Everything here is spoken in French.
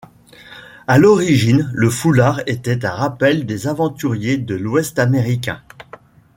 À l'origine, le foulard était un rappel des aventuriers de l'Ouest américain.